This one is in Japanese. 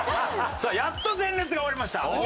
さあやっと前列が終わりました。